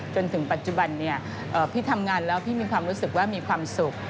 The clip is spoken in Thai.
จนถึงปัจจุบันพี่ทำงานแล้วพี่มีความรู้สึกว่ามีความสุข